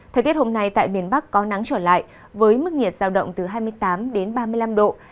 thời tiết hôm nay tại miền bắc có nắng trở lại với mức nhiệt giao động từ hai mươi tám đến ba mươi năm độ